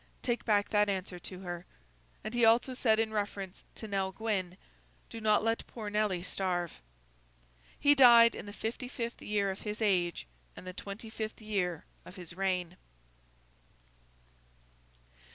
Take back that answer to her.' And he also said, in reference to Nell Gwyn, 'Do not let poor Nelly starve.' He died in the fifty fifth year of his age, and the twenty fifth of his reign.